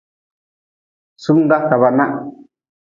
Sumga ka ba nah.